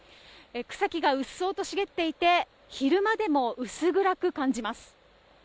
草木がうっそうと茂っていて、昼間でも薄暗く感じます。